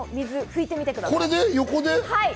拭いてみてください。